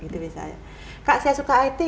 kak saya suka it